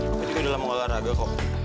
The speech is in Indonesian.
aku juga udah lama gak ada raga kok